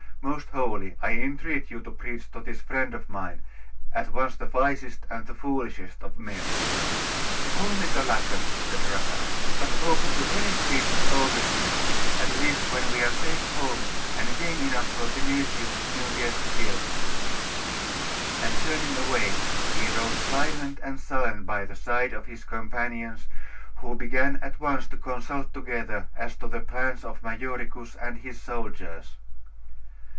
Most holy, I entreat you to preach to this friend of mine, at once the wisest and the foolishest of men.' 'Only the latter,' said Raphael; 'but open to any speech of Augustine's, at least when we are safe home, and game enough for Synesius's new guests killed.' And turning away, he rode silent and sullen by the side of his companions, who began at once to consult together as to the plans of Majoricus and his soldiers.